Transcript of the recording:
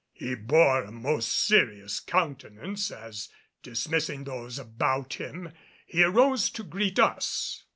He bore a most serious countenance as, dismissing those about him, he arose to greet us.